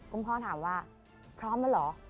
คุณพ่อถามว่าพร้อมแล้วเหรอ